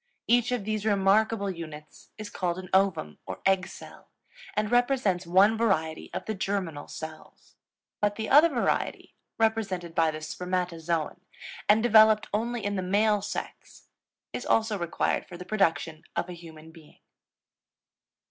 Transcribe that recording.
Each of these remarkable units is called an Ovum, or egg cell, and represents one variety of the germinal cells. But the other variety, represented by the Spermatozoon and developed only in the male sex, is also required for the production of a human being.